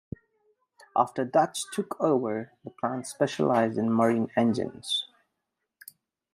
After Deutz took over, the plant specialised in marine engines.